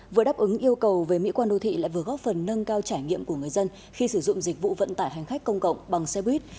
vừa đáp ứng yêu cầu về mỹ quan đô thị lại vừa góp phần nâng cao trải nghiệm của người dân khi sử dụng dịch vụ vận tải hành khách công cộng bằng xe buýt